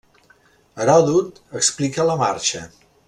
Heròdot explica la marxa.